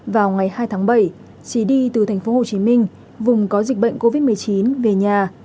vào ngày hai tháng bảy trí đi từ thành phố hồ chí minh vùng có dịch bệnh covid một mươi chín về nhà